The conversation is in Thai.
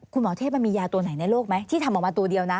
ประเทศมันมียาตัวไหนในโลกไหมที่ทำออกมาตัวเดียวนะ